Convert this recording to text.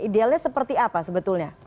idealnya seperti apa sebetulnya